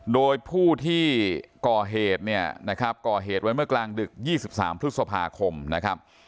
โดยผู้ที่ก่อเหตุเนี่ยนะครับก่อเหตุไว้เมื่อกลางดึก๒๓พฤษภาคมนะครับ